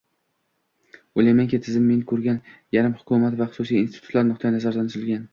Oʻylaymanki, tizim men koʻrgan, yarim hukumat va xususiy institutlar nuqtayi nazaridan tuzilgan.